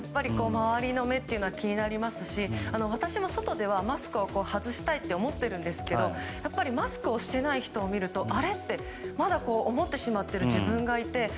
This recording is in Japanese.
周りの目というのは気になりますし私も外ではマスクを外したいと思っているんですけどマスクをしていない人を見るとあれ？ってまだ思ってしまう自分がいて。